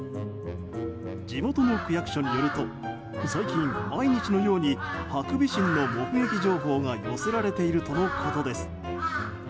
地元の区役所によると最近、毎日のようにハクビシンの目撃情報が寄せられているとのことです。